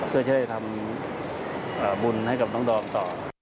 ก็จะได้ทำบุลให้กับน้องกต่อ